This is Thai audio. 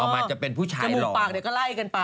มาจะเป็นผู้ชายจมูกปากเดี๋ยวก็ไล่กันไป